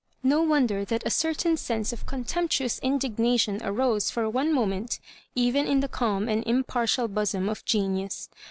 No wonder that a certain sense of contemptuous indignation arose for one moment, even in the calm and unpartial bosom of genius.